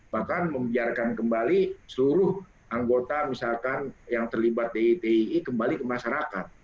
bahkan membiarkan kembali seluruh anggota misalkan yang terlibat di tii kembali ke masyarakat